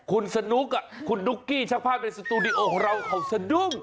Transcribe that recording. คุณสนุกอ่ะคุณนุกกี้ชักภาพในสตูดิโอเราเขาสนุก